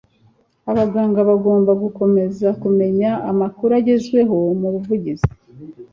abaganga bagomba gukomeza kumenya amakuru agezweho mubuvuzi